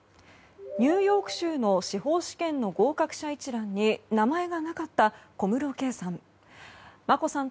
ニューヨーク州の司法試験の合格者一覧に名前がなかった小室圭さん。